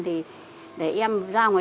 thì để em ra ngoài